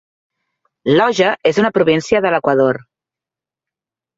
Loja és una província de l'Equador.